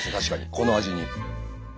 この味に。